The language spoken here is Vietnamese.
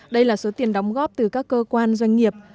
đây là số tiền đóng góp từ các cơ quan doanh nghiệp